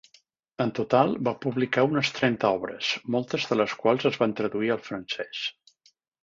En total, va publicar unes trenta obres, moltes de les quals es van traduir al francès.